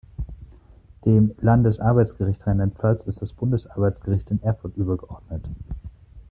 Dem Landesarbeitsgericht Rheinland-Pfalz ist das Bundesarbeitsgericht in Erfurt übergeordnet.